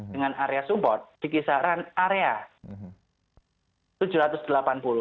dengan area support di kisaran area rp tujuh ratus delapan puluh